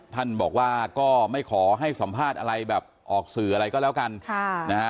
ท่านบอกว่าก็ไม่ขอให้สัมภาษณ์อะไรแบบออกสื่ออะไรก็แล้วกัน